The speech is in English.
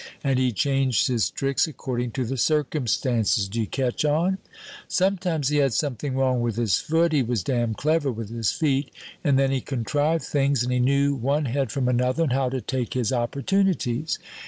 And he changed his tricks according to the circumstances, d'you catch on? Sometimes he had something wrong with his foot he was damned clever with his feet. And then he contrived things, and he knew one head from another, and how to take his opportunities.